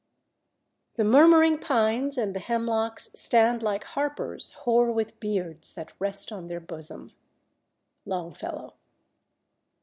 "The murmuring pines and the hemlocks Stand like harpers hoar with beards that rest on their bosom." _Longfellow.